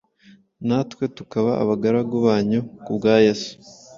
natwe tukaba abagaragu banyu ku bwa Yesu.